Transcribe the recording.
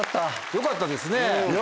よかったです！